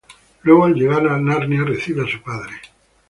Luego, al llegar a Narnia, recibe a su padre.